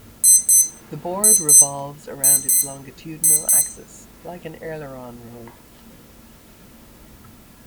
The board revolves around its longitudinal axis, like an aileron roll.